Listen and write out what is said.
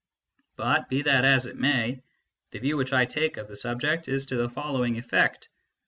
But, be that as it may, the view which I take of the subject is to the following effect.